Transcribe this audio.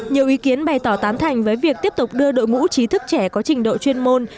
nhiều ý kiến bày tỏ tán thành với việc tiếp tục đưa đội ngũ trí thức trẻ có trình độ chuyên môn